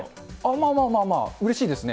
まあまあまあ、うれしいですね。